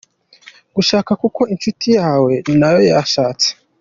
Gushaka kuko inshuti yawe nayo yashatse.